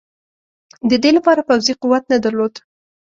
د دې لپاره پوځي قوت نه درلود.